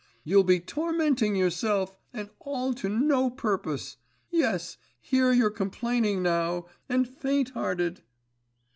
You'll be tormenting yourself, and all to no purpose! Yes! Here you're complaining now, and faint hearted.